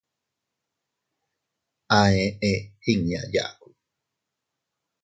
A eʼe inña yaku.